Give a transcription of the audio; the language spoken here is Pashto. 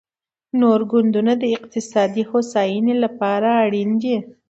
نور ګوندونه د اقتصادي هوساینې لپاره اړین دي